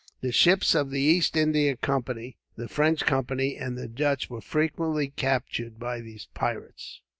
The ships of the East India Company, the French Company, and the Dutch were frequently captured by these pirates.